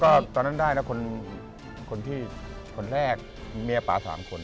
ก็ตอนนั้นได้นะคนที่คนแรกเมียป่า๓คน